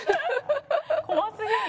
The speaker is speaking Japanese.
怖すぎる。